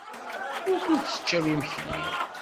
Wukud teččam imekli?